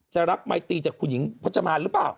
รับไมตีจากคุณหญิงพจมานหรือเปล่า